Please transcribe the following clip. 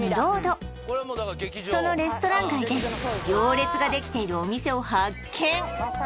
そのレストラン街で行列ができているお店を発見！